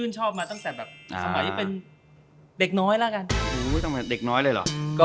สหน้าตัว